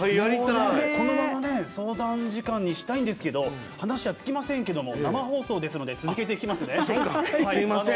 このまま、相談時間にしたいんですけど話は尽きませんけども生放送なので続けていきますね。